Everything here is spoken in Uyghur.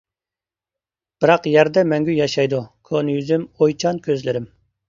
بىراق يەردە مەڭگۈ ياشايدۇ، كونا يۈزۈم، ئويچان كۆزلىرىم.